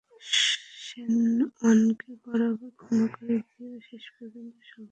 Shane ওয়ার্নকে বারবার ক্ষমা করে দিয়েও শেষ পর্যন্ত সংসারটা টেকাতে পারেননি সিমোনে।